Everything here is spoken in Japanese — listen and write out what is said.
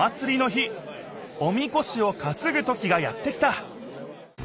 おみこしをかつぐときがやって来た。